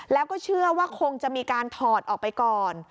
แล้วก็เชื่อว่าคงจะมีการถอดออกไปก่อน